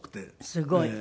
すごい。